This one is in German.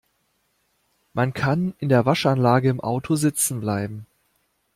Man kann in der Waschanlage im Auto sitzen bleiben.